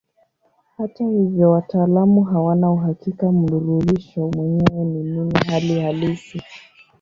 Hata hivyo wataalamu hawana uhakika mnururisho mwenyewe ni nini hali halisi.